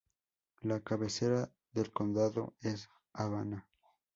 La cabecera del condado es Havana.